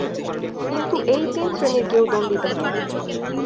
কিন্তু এই তিন শ্রেণির কেউ দণ্ডিত হয়নি।